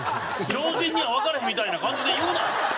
常人にはわからへんみたいな感じで言うな！